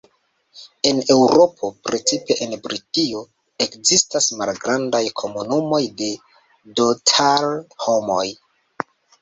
En Eŭropo, precipe en Britio, ekzistas malgrandaj komunumoj de Dhothar-homoj.